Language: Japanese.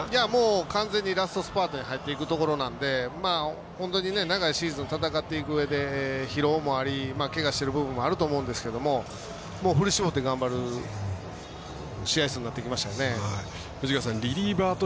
完全にラストスパートに入っていくところなんで本当に長いシーズン戦っていくうえで疲労もあり、けがしてる部分もあると思うんですけど振り絞って頑張る試合数になってきましたよね。